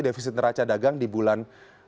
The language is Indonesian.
defisit neraca dagang di bulan